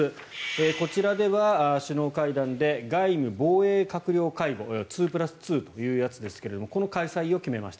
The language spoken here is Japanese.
こちらでは首脳会談で外務・防衛閣僚会合２プラス２というやつですがこの開催を決めました。